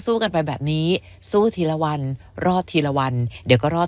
กันไปแบบนี้สู้ทีละวันรอดทีละวันเดี๋ยวก็รอด